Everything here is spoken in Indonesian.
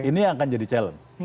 ini yang akan jadi challenge